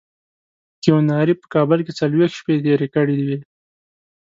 کیوناري په کابل کې څلوېښت شپې تېرې کړې وې.